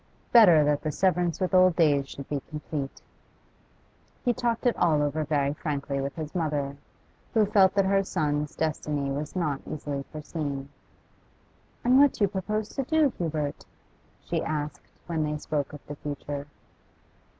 Better that the severance with old days should be complete. He talked it all over very frankly with his mother, who felt that her son's destiny was not easily foreseen. 'And what do you propose to do, Hubert?' she asked, when they spoke of the future.